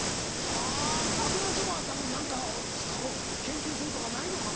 はぁ油そばは何かこう研究するとかないのかな？